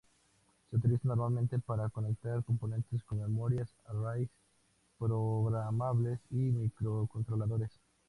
Se utilizan normalmente para conectar componentes como memorias, "arrays" programables y microcontroladores.